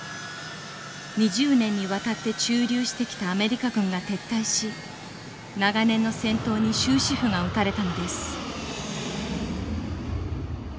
２０年にわたって駐留してきたアメリカ軍が撤退し長年の戦闘に終止符が打たれたのです。